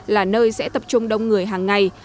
là nơi sẽ tập trung đông người hàng ngày